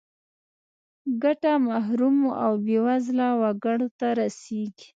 ګټه محرومو او بې وزله وګړو ته رسیږي.